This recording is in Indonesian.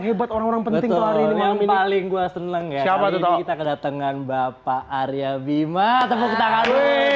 hebat orang orang penting paling gue seneng siapa kita kedatangan bapak arya bima tepuk tangan